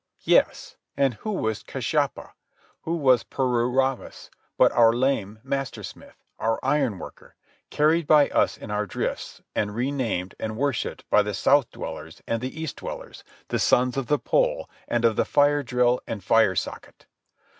Yes, and who was Kashyapa, who was Pururavas, but our lame master smith, our iron worker, carried by us in our drifts and re named and worshipped by the south dwellers and the east dwellers, the Sons of the Pole and of the Fire Drill and Fire Socket.